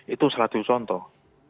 itu satu contoh